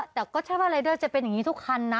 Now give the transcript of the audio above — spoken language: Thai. แต่ก็ใช่ว่ารายเดอร์จะเป็นอย่างนี้ทุกคันนะ